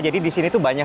jadi disini tuh banyak